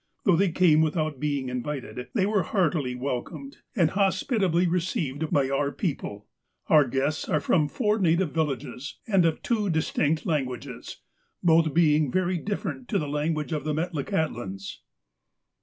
Though they came without being invited, they were heartily welcomed, and hos LEAVES FROM MR. DUNCAN'S DIARY 313 pitably received, by our people. Our guests are from four native villages, and of two distinct languages ;— both being very different to the language of the Metlakahtlans.